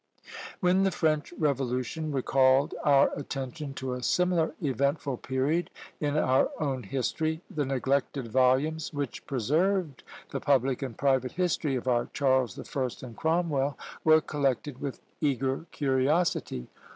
When the French Revolution recalled our attention to a similar eventful period in our own history, the neglected volumes which preserved the public and private history of our Charles the First and Cromwell were collected with eager curiosity.